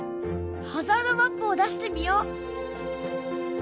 ハザードマップを出してみよう！